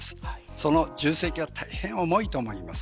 その重責は大変重いと思います。